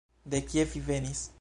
De kie vi venis?